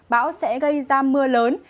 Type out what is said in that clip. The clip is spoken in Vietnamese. bão sẽ gây ra mưa lớn